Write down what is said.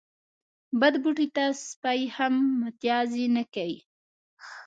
بد بوټي ته سپي هم متازې نه کوي.